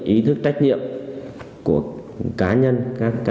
ý thức trách nhiệm của cá nhân cá nguồn chiến sĩ trong vùng xã